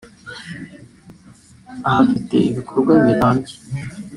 uhafite ibikorwa birambye